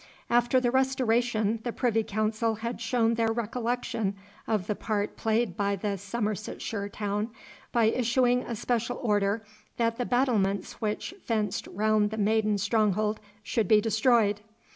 After the Restoration the Privy Council had shown their recollection of the part played by the Somersetshire town, by issuing a special order that the battlements which fenced round the maiden stronghold should be destroyed.